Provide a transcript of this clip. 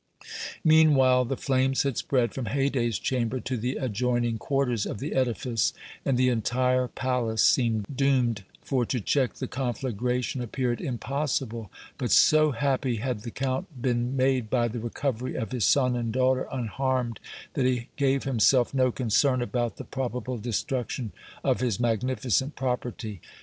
Meanwhile the flames had spread from Haydée's chamber to the adjoining quarters of the edifice, and the entire palace seemed doomed, for to check the conflagration appeared impossible, but so happy had the Count been made by the recovery of his son and daughter, unharmed, that he gave himself no concern about the probable destruction of his magnificent property.